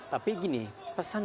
tapi gini pesan